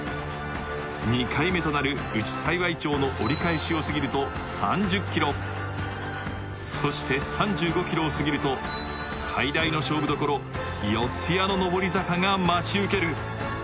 ２回目となる内幸町の折り返しを過ぎると、３０ｋｍ、そして３５ｋｍを過ぎると最大の勝負どころ、四谷の上り坂が待ち受ける。